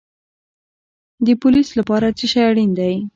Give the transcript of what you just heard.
د پولیس لپاره څه شی اړین دی؟